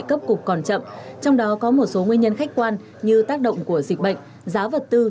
cấp cục còn chậm trong đó có một số nguyên nhân khách quan như tác động của dịch bệnh giá vật tư